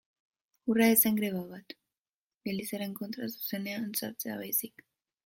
Hura ez zen greba bat, Elizaren kontra zuzenean sartzea baizik.